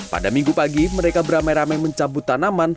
pada minggu pagi mereka beramai ramai mencabut tanaman